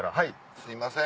すいません。